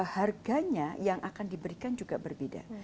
harganya yang akan diberikan juga berbeda